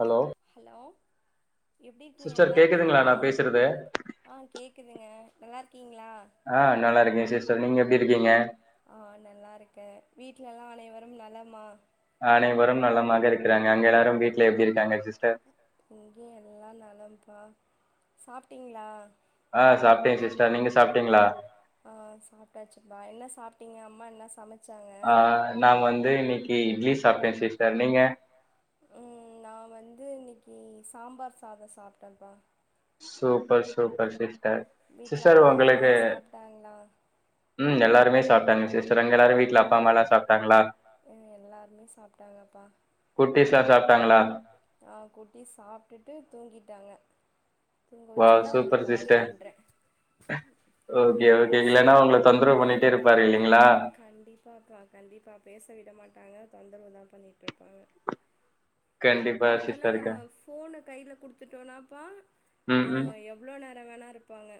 hello hello எப்பிடி ருக்கீங்க நல்லாருக்கீங்களா ஆ கேட்கதுங்க நல்லாருக்கீங்களா ஆ நல்லாருக்கே சிஸ்டர் நீங்க எப்பிடிருக்கீங்க ஆ நல்லாருக்கே வீட்ல எல்லாம் அனைவரும் நலமா அனைவரும் நலமாக இருக்குறாங்க அங்க எல்லாரும் வீட்ல எப்பிடி இருக்காங்க சிஸ்டர் இங்க எல்லாரும் நலம்ப்பா சாப்ட்டீங்களா ஆ சாப்டே சிஸ்டர் நீங்க சாப்ட்டீங்களா ஆ சாப்ட்டாச்சுப்பா என்ன சாப்ட்டீங்க அம்மா என்ன சமச்ச ஆ நா வந்து இன்னைக்கி இட்லி சாப்ட்டே சிஸ்டர் நீங்க ம் நா வந்து இன்னைக்கி சாம்பார் சாதோ சாப்ட்டேன்ப்பா சூப்பர் சூப்பர் சிஸ்டர் சிஸ்டர் ஒங்களுக்கு ம் எல்லாருமே சாப்ட்டாங்க சிஸ்டர் அங்க எல்லாரும் வீட்ல அப்பா அம்மால்லா சாப்ட்டாங்களா சாப்ட்டாங்கப்பா குட்டிஸ்லாம் சாப்ட்டாங்களா ஆ குட்டி சாப்ட்டுட்டு தூங்கிட்டாங்க தூங்க வச்சுட்டுதா உங்களுக்கு கால் பண்றே ஓகே ஓகே இல்லன்னா ஒங்கள தொந்தரவு பண்ணிட் டே இருப்பாரு இல்லிங் கண்டிப்பாப்பா கண்டிப்பா பேச விட மாட்டாங்க தொந்தரவுதா பண்ணிட்டுருப்பாங்க பாத்தோன்னா நம்ம ஃபோன கையில குடுத்துட்டோனாப்பா ஆ எவ் எவ்ளோ நேரோ வேணா இருப்பாங்க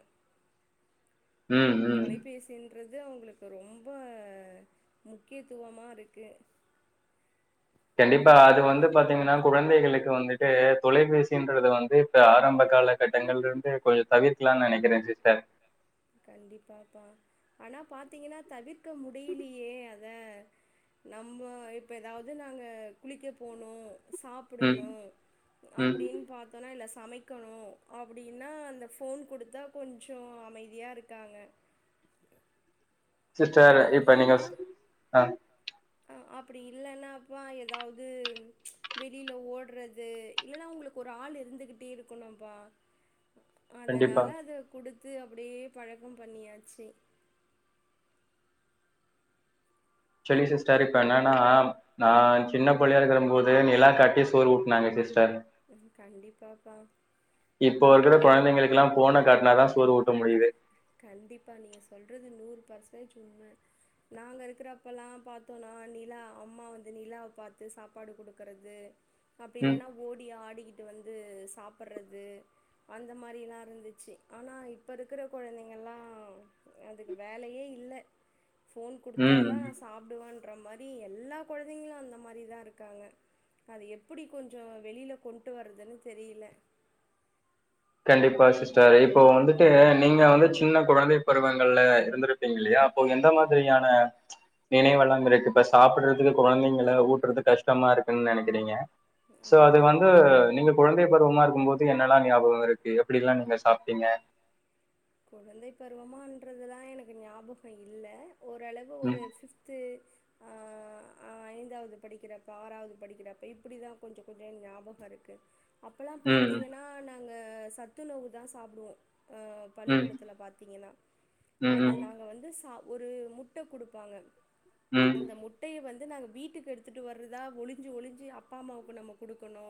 தொலைபேசின்றது அவங்களுக்கு ரொம்ப முக்கியத்துவமாருக்கு கண்டிப்பா அது வந்து பாத்தீங்கன்னா கொழந்தைகளுக்கு வந்துட்டு தொலைபேசின்றது வந்து த்து ஆரம்ப கால கட்டங்களுருந்து கொஞ்சோ தவிர்க்கலான்னு நெனைக்கிறே சிஸ்டர் கண்டிப்பாப்பா ஆனா பாத்தீங்கன்னா தவிர்க்க முடியலியே அத நம்ப இப்ப ஏதாவது நாங்க குளிக்க போனு சாப் டணு அப்டின்னு பாத் துனா இல்ல சமைக்கணு அப்டின்னா அந்த ஃபோன் குடுத்தா கொஞ்சோ அமைதி தியா இருக்காங்க சிஸ்டர் இப்ப நீங்க ஆ அப்படி இல்லன்னாப்பா ஏதாவது வெளியில ஓட்றது இல்லன்னா உங்களுக்கு ஒரு ஆள் இருந்துகிட்டே இருக்கணும்ப்பா அதனால அத குடுத்து அப்டியே பழக்கம் பண்ணியாச்சு செரி சிஸ்டர் இப்ப என்னன்னா நா சின்ன புள்ளையா இருக்கற போது நிலா காட்டி சோறு ஊட்னாங்க சிஸ்டர் ம் கண்டிப்பாப்பா நா இப்பல்லா ஃபோன காட்னா தா சோறு ஊட்ட முடியுது கண்டிப்பா நீங்க சொல்றது நூறு பர்சன்ஜ் உண்ம நாங்கருக்குறப்பல்லா பாத்தோன்னா நிலா அம்மா வந்து நிலாவ பாத்து சாப்பாடு குடுக்கறது அப்டி இல்லன்னா ஓடி ஆடிக்கிட்டு வந்து சாப்பட்றது அந்த மாரில்லா இருந்துச்சு ஆனா இப்ப இருக்கற கொழந்தைங்கல்லா அதுக்கு வேலையே இல்ல ஃபோன் குடுத்தா தா சாப் டுவ அப்டின்ற மாரி எல்லா கொழந்தைங்களு அந்த மாரி தா இருக்காங்க அத எப்படி கொஞ்சோ வெளில கொண்டு வர்ரதுன்னு தெரியல கண்டிப்பா சிஸ்டர் இப்போ வந்துட்டு நீங்க வந்து சின்ன குழந்தை பருவங்கள்ல இருந்துரு பிங்க இல்லியா அப்போ எந்த மாதிரியான நினைவெல்லம் இருக்கு இப்ப சாப்பிடுறதுக்கு கொழந்தைங்கள ஊட்டுறது கஷ்டமா இருக்குன்னு நெனைக்கிறீங்க சோ அது வந்து நீங்க குழந்தை பருவமா இருக்கும்போது என்னெல்லா ஞாபக இருக்கு எப்டில்லா நீங்க சாப்ட்டீங்க குழந்தை பருவமான்றதுலா எனக்கு ஞாபகே இல்ல ஓரளவு ஒரு ஃபிப்த்து ஆ ஐந்தாவது படிக்கிறப்ப ஆறாவது படிக்கிறப்ப இப்பிடிதா கொஞ்சோ கொஞ்சோ ஞாபகே இருக்கு அப்பெல்லா பாத்திங்கன்னா நாங்க சத்துணவு தா சாப்டுவோ பள்ளிக்கூடத்துல பாத்தீங்கன்னா அத நாங்க வந்து ச ஒரு முட்ட குடுப்பாங்க ம் அந்த முட்டைய வந்து நாங்க வீட்டுக்கு எடுத்துகிட்டு வர்றதா ஒளிஞ்சு ஒளிஞ்சு அப்பா அம்மாவுக்கு நம்ம குடுக்கணு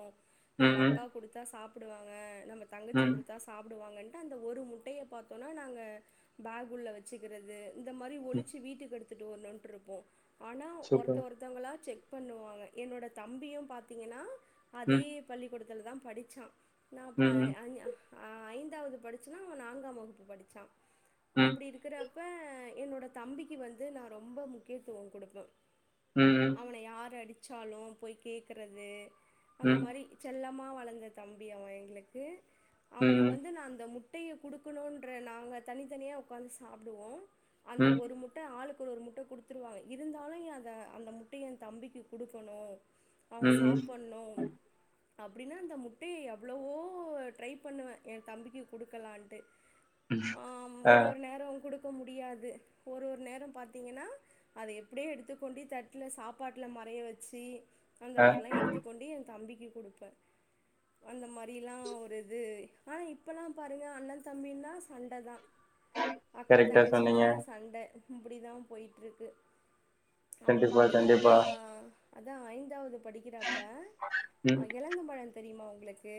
நம்ம அக்கா குடுத்தா சாப்டுவாங்க நம்ம தங்கச்சி குடுத்தா சாப்டுவாங்கன்டு அந்த ஒரு முட் முட்டைய பாத்தோனா நாங்க பேக் உள்ள வெச்சுக்கிறது இந்த மாரி ஒழிச்சு வீட்டுக்கு எடு எடுத்துட்டு வர்னுன்டு இருப்போ ஆனா ஒருத்த ஒருத்த தவங்களா செக் பண்ணுவாங்க என்னோட தம்பியு பாத்தீங்கன்னா அதே பள்ளிக்கூடத்துல தா படிச்சா நா அப்ப ஐந்தாவது படிச்சனா அவ நான்காம் வகுப்பு படிச்சா அப்டி இருக் க்கிறப்ப என்னோட தம்பிக்கு வந்து நா ரொம்ப முக்கியத்துவ குடுப்ப அவன யாரு அடிச்சாலு போய் கேக்கறது அந்த மாரி செல்லமா வளந்த தம்பி அவ எங்களுக்கு அவனுக்கு வந்து நா அந்த முட் ட்டைய குடுக்கணுன்ற நாங்க தனித்தனியா உக்காந்து சாப்டுவோ அந்த ஒரு முட் ட்ட ஆளுக்கு ஒரு ஒரு முட்ட குடுத்துருவாங்க இருந்தாலு அத அந்த முட்டைய ஏ தம்பிக்கு குடுக்கணு அவ சாப்பன்ணு அப்படின்னா அந்த முட்டய எவ்ளவோ ட்ரை பண்ணுவே ஏ தம்பிக்கு குடுக்கலான்ட்டு ஆ ஒரு ஒரு நேரோ குடுக்க முடியாது ஒரு ஒரு நேரோ பாத்தீங்கன்னா அத எப்டியோ எடுத்துக்கொண்டி தட்ல சாப்பாட்டுல மறைய வெச்சு அந்த மாரிலா எடுத்து கொண்டு ஏ தம்பிக்கு குடுப்ப அந்த மாரில்லா ஒரு இது ஆனா இப்பெல்லா பாருங்க அண்ண தம்பின்னா சண்ட தா அக்கா தங்கச்சின்னா சண்ட அப்படி தா போய்ட்டு இருக்கு அப்போ பாத்தீங்கன்னா நா அதா ஐந்தாவது படிக்கிறா இப்ப எலந்த பழோ தெரியுமா உங்களுக்கு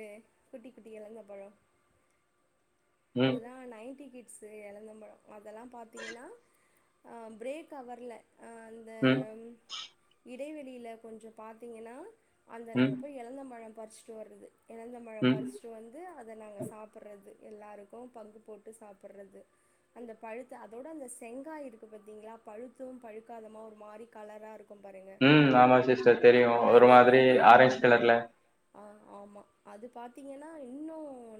குட்டி குட்டி எலந்த பழோ அதா நைன்டி கிட் ஸ்சு எலந்த பழோ அதெல்லா பாத்தீங்கன்னா பிரேக் அவர்ல இந்த இடைவெளியில கொஞ்சோ பாத்தீங்கன்னா அந்த நாங்க போய் எலந்த பழோ பறிச்சுட்டு வர்றது எலந்த பழோ பறிச்சுட்டு வந்து அத நாங்க சாப் பர்றது எல்லாருக்கு பங்கு போட்டு சாப்பர்றது அந்த பழுத்த அதோட அந்த செங்காய் இருக்கு பாத்தீங்களா பழுத்து பழுக்காதமா ஒரு மாரி கலரா இருக் இருக்கு பாருங்க அது வந்து ஆ ஆமா அது பாத்தீங்கன்னா இன்னு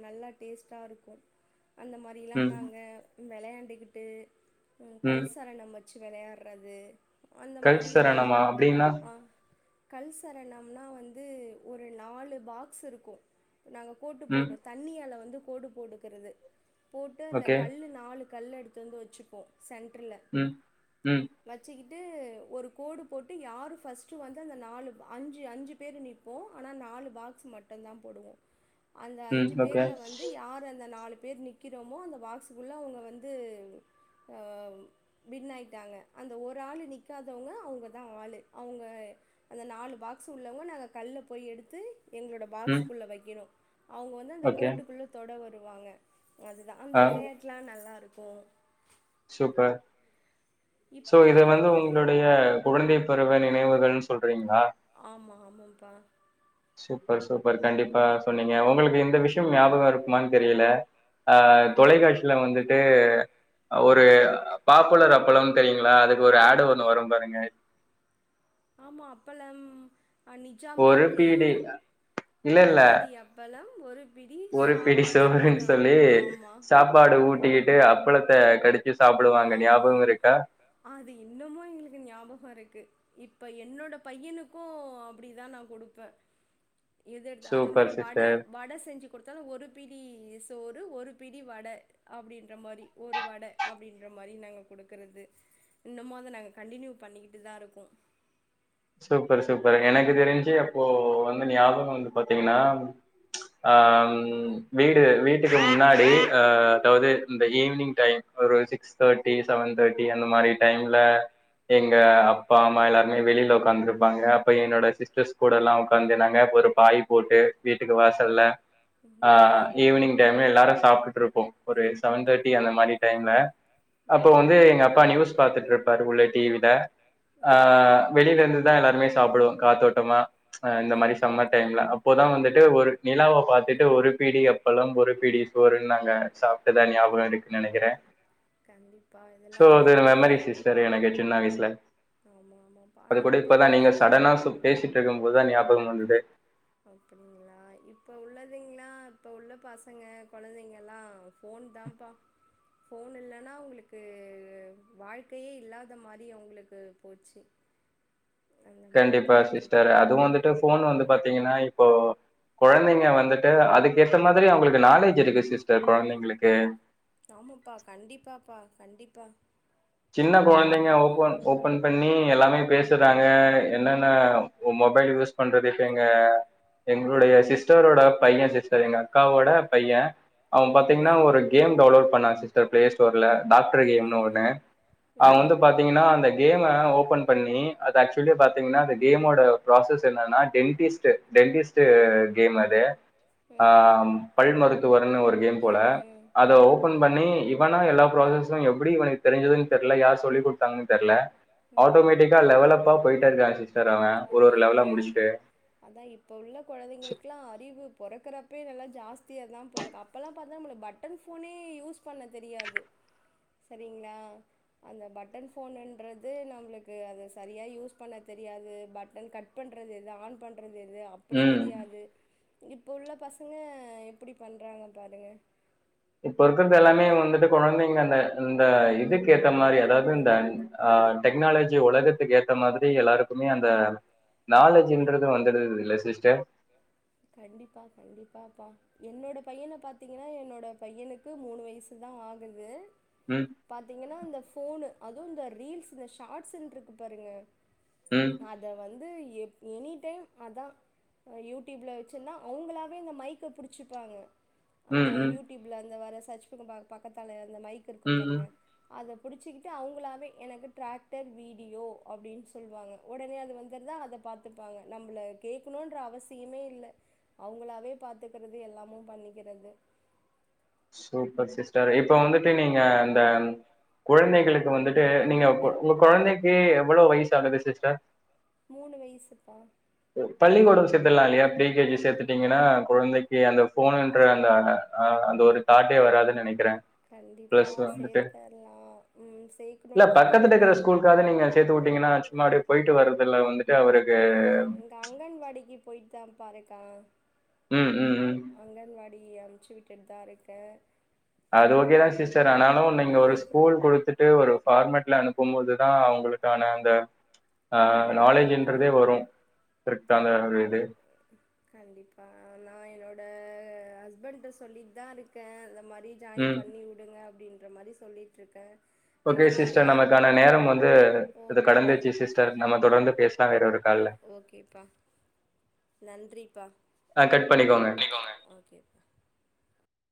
நல்லா டேஸ்ட்டா இருக்கு அந்த மாரி லா நாங்க வெளையாண்டுக்கிட்டு ம் கல்சார நம்ம வச்சி வெளையாடுறது அந்த மாரில்லா ஆ கல் சரணம்னா வந்து ஒரு நாலு பாக்ஸ் இருக்கு நாங்க கோட்டு போட்டு தண்ணியால வந்து கோடு போட்டுக்கறது போட்டு அதுல கல்லு நாலு கல்லு எடுத்து வந்து வச்சுப்போ சென்டர்ல வச்சுக்கிட்டு ஒரு கோடு போட்டு யாரு ஃபஸ்ட்டு வந்து அந்த நாலு அஞ்சு அஞ்சு பேரு நி ப்போ ஆனா நாலு பாக்ஸ் மட்டுந்தா போடுவோ அந்த அஞ்சு பேர்ல வந் து யார் அந்த நாலு பேரு நிக்கிறோமோ அந்த பாக்ஸுக்குள்ள அவுங்க வந்து ஆ வின்னாயிட்டாங்க அந்த ஒரு ஆளு நிக்காதவங்க அவுங்கதா ஆளு அவுங்க அந்த நாலு பாக்ஸு உள்ளவங்க நாங்க கல்ல போய் எடுத்து எங்களோட பாக்ஸுக்குள்ள வெக்கணு அவுங்க வந்து அந்த கோட்டுக்குள்ள தொட வருவாங்க அதுதா அந்த வெளையாட்லா நல்லா இருக்கு சூப்பர் சோ இது வந்து உங்களுடைய கொழந்தை பருவ நினைவுகள்னு சொல்றீங்களா ஆமா ஆமாம்ப்பா சூப்பர் சூப்பர் கண்டிப்பா சொன்னீங்க உங்களுக்கு இந்த விஷயம் ஞாபக இருக்குமானு தெரியல ஆ தொலைக்காட்சில வந்துட்டு ஒரு பாப்புலர் அப்பளம்னு தெரியுங்களா அதுக்கு ஒரு ஆடு ஒண்ணு வரு பாருங்க ஆமா அப்பளம் ஆ நிஜாம் பாக்கு ஒரு பிடி அப்பளம் ஒரு பிடி சாப் சாதம் ஆமா சாப்பாடு ஊட்டிக்கிட்டு அப்பளத்த கடிச்சி சாப்டுவாங்க ஞாபகோ இருக்கா அது இன்னமு எங்களுக்கு ஞாபகோ இருக்கு இப்போ என்னோட பையனுக்கு அப்டி தா நா குடுப்ப எது எடுத்தா அது மாரி வட வட செஞ்சி குடுத்தாலு ஒரு பிடி சோறு ஒரு பிடி வட அப்டின்ற மாரி ஒரு வட அப்டின்ற மாரி நாங்க குடுக்கறது இன்னுமு அத நாங்க கண்டினியூ பண்ணிக்கிட்டு தா இருக்கோ சூப்பர் சூப்பர் எனக்கு தெரிஞ்சி அப்போ வந்து ஞாபக வந்து பாத்தீங்கன்னா ஆ ம் வீடு வீட்டுக்கு முன்னாடி ஆ அதாவது இந்த ஈவினிங் டைம் ஒரு சிக்ஸ் தேர்ட்டி செவன் தேர்ட்டி அந்த மாரி டைம்ல எங்க அப்பா அம்மா எல்லாருமே வெளியில ஒக்காந்துருப்பாங்க அப்ப என்னோட சிஸ்டர்ஸ் கூடலா ஒக்காந்து நாங்க ஒரு பாய் போட்டு வீட்டுக்கு வாசல்ல ஆ ஈவினிங் டைம்ல எல்லாரு சாப்டுட்டு இருப்போ ஒரு செவன் தேர்டடி அந்த மாரி டைம்ல அப்போ வந்து எங்க அப்பா நியூஸ் பாத்துட்டு இருப்பாரு உள்ள டிவில ஆ வெளியில இருந்து தா எல்லாருமே சாப்புடுவோ காத்தோட்டமா ஆ இந்த மாரி சம்மர் டைம்ல அப்போதா வந்துட்டு ஒரு நிலாவ பாத்துட்டு ஒரு பிடி அப்பளம் ஒரு பிடி சோறுன்னு நாங்க சாப் ட்டதா ஞாபகோ இருக்குன்னு நெனைக்கிறே சோ அது மெமரி சிஸ் டர் எனக்கு சின்ன வயசுல ஆமா ஆமா கூட இப்பதா நீங்க சடனா சு பேசிட்ருக்கம்போதுதா ஞாபகம் வந்தது அப்டிங்களா இப்ப உள்ளதுங்களா இப்ப உள்ள பசங்க கொழந்தைங்கள்லா ஃபோன் தாப்பா ஃபோன் இல்லன்னா அவுங்களுக்கு வாழ்க்கையே இல்லாத மாரி அவங்களுக்கு போச்சி கண்டிப்பா சிஸ்டர் அது வந்துட்டு ஃபோன் வந்து பாத்தீங்கன்னா இப்போ கொழந்தைங்க வந் துட்டு அதுக்கு ஏத்த மாதிரி அவுங்களுக்கு நாலேஜி இருக்கு சிஸ்டர் கொழந்தைங்களுக்கு ஆமாபா கண்டிப்பாபா கண்டிப்பா சின்ன கொழந்தைங்க ஓபன் ஓபன் பண்ணி எல்லாமே பேசிர்றாங்க என்ன மொபைல் யூஸ் பண்றது இப்ப எங்க எங்களுடைய சிஸ்டரோட பைய சிஸ்டர் எங்க அக்காவோட பைய அவெ பாத்தீங்கன்னா ஒரு கேம் டவுன்லோட் பண்ணா சிஸ்டர் ப்ளே ஸ்டோர்ல டாக்டர் கேம்ன்னு ஒன்னு அவுங்க வந்து பாத்தீங்கன்னா அந்த கேம ஓபன் பண்ணி அது ஆக்சுவலி பாத்தீங்கன்னா அந்த கேமோட ப்ராசஸ் என்னானா டெல்டிஸ்ட்டு டெல்டிஸ்ட் கேம் அது அ பல் மருத்துவர்னு ஒரு கேம் போல அத ஓபன் பண்ணி இவனா எல்லா ப்ராசஸு எப்டி இவனுக்கு தெரிஞ்சதுன்னு தெர்ல யார் சொல்லி குடுத்தாங்கன்னு தெர்ல ஆட்டோமேட்டிக்கா லெவலப்பா போயிட்டே இருக்காங் சிஸ்டர் அவே ஒரு ஒரு லெவலா முடிச்சிட்டு அதா இப்போ உள்ள கொழந்தைங்களுக்கெல்லா அறிவு பொறக்கறப்பயே நல்லா ஜாஸ்தியா தா பொற அப் அப்பெல்லா பாத்தனா நம்ளுக்கு பட்டன் ஃபோனே யூஸ் பண்ண தெரியாது சேரிங்ளா அந்த பட்டன் ஃபோனுன்றது நம்ளுக்கு அத சரியாக யூஸ் பண்ண தெரியாது பட்டன் கட் பண்றது எது ஆன் பண்றது எது அப் படி தெரியாது இப்போ உள்ள பசங்க எப்டி பண்றாங்க பாருங்க இப்ப இருக்குறது எல்லாமே வந்துட்டு கொழந்தைங்க அந்த அந்த இதுக்கு ஏத்த மாரி அதாது இந்த ஆ டெக்னாலஜி உலகத்துக்கு ஏத்த மாதிரி எல்லாருக்குமே அந்த நாலேஜின்றது வந்துருது இல்ல சிஸ்டர் கண்டிப்பா கண்டிப்பா என்னோட பையன பாத்தீங்கன்னா என்னோட பையனுக்கு மூனு வயசுதா ஆகுது உ பாத்தீங்கன்னா இந்த ஃபோனு அதுவு இந்த ரீல்ஸ் இந்த ஷார்ட்ஸ்ன்னு இருக்கு பாருங்க உ அது வந்து எப் எனிடைம் அதான யூட டியூப்ல வச்சிருந்தா அவங்களாவே இந்த மைக்க பிடிச்சுபாங்க அந்த யூடி டியூப்ல அந்த வர சர்ச் ப பக்கத்தால அந்த மைக் இருக்கு பாருங்க அத பிடிச்சுகிட்டு அவங்களாவே எனக்கு டிராக்டர் வீடியோ அப்டின்னு சொல்லுவாங்க உடனே அது வந்துடு தா அதை பாத்துபாங்க நம்மள கேட்கணும்ன்ற அவசிய யமே இல்ல அவங்களாவே பாத்துகிறது எல்லாமு பண்ணிகிறது சூப்பர் சிஸ்டர் இப்போ வந்துட்டு நீங்க அந்த குழந்தைகளுக்கு வந்துட்டு நீங்க உங்க குழந்தைக்கு எவ்ளோ வயசு அகுது சிஸ்டர் மூணு வயசுப்பா பள்ளிக்கூடோ சேத்துலா இல்லயா ப்ரீ கேஜி சேத்துட்டீங்கன்னா குழந்தைக்கு அந்த போனுன்ற அந்த ஆ அந்த ஒரு தாட்டே வராதுன்னு நினைக்கிறே கண்டிபா சேத்தரலா உ சேக்கணும்னு தான்ப்ப இப்பப்பா எதுக்காது நீங்க சேத்து விட்டீங்கன்னா சும்மா அப்டியே போயிட்டு வரறதுல வந்துட்டு அவருக்கு அங்கன்வாடிக்கு பொயிட்தாபா இருக்கா உ உ உ அங்கன்வாடி அனுப்ச்சு விட்டுட்டுதா இருக்கே அது ஓகேதா சிஸ்டர் ஆனாலு நீங்க ஒரு ஸ்கூல் கொடுத்துட்டு ட்டு ஒரு ஃபார்மேட்ல அனுப்பு போதுதா அவங்களுகான அந்த ஆ நாலேஜ்ன்றதே வரு ஸ்ப்ரிட் ஆன அது இது கண்டிபா நா என்னோட ஹஸ்பண்ட சொல்லிட் தா இருக்க அந்த மாரி ஜாயின் பண்ணி விடுங்க அப்டின்ற மாரி சொல்லிட் இருக்க ஓகே சிஸ்டர் நமக்கான நேரம் வந்து இது கடந்துச்சு சிஸ்டர் நம்ம தொடர்ந்து பேசலா வேற ஒரு கால்ல ஓகேப்பா நன்றிப்பா ஆ கட் பண்ணிகோங்க ஓகே